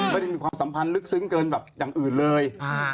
ไม่ได้มีความสัมพันธ์ลึกซึ้งเกินแบบอย่างอื่นเลย